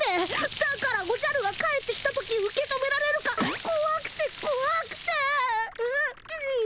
だからおじゃるが帰ってきた時受け止められるかこわくてこわくてううう。